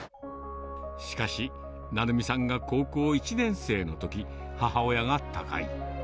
しかし、成美さんが高校１年生のとき、母親が他界。